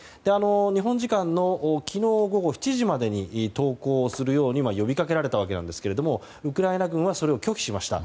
日本時間の昨日午後７時までに投降をするように呼びかけられたわけですがウクライナ軍はそれを拒否しました。